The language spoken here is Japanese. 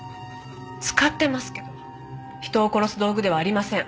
使ってますけど人を殺す道具ではありません。